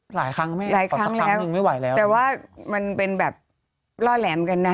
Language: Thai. หลายครั้งแล้วแต่ว่ามันเป็นแบบล่อแหลมกันนะ